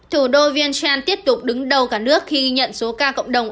thủ đô vientiane tiếp tục đứng đầu cả nước khi ghi nhận số ca cộng đồng